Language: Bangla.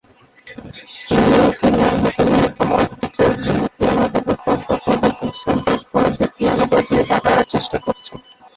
নিউ ইয়র্কের ম্যানহাটনে টমাস ডি ক্যাট, যিনি পিয়ানোবাদক হওয়ার স্বপ্ন দেখেন, সেন্ট্রাল পার্কে পিয়ানো বাজিয়ে টাকা আয়ের চেষ্টা করছেন।